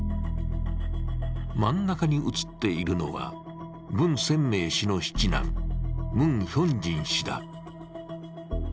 真ん中に写っているのは文鮮明史の七男、ムン・ヒョンジン氏だ。